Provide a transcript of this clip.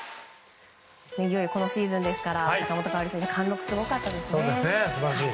いよいよ今シーズンですから坂本花織選手貫禄すごかったですね。